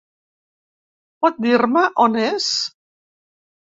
Pot dir-me on és?